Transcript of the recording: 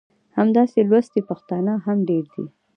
همداسې لوستي پښتانه هم ډېر دي.